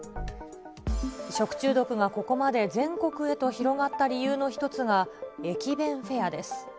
食中毒がここまで全国へと広がった理由の一つが、駅弁フェアです。